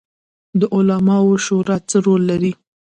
د علماوو شورا څه رول لري؟